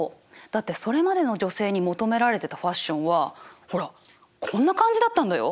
だってそれまでの女性に求められてたファッションはほらこんな感じだったんだよ。